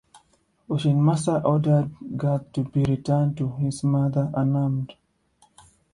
Ocean Master ordered Garth to be returned to his mother unharmed.